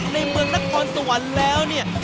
ในเมืองนครสวรรค์แล้วเนี่ย